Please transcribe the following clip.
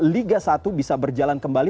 liga satu bisa berjalan kembali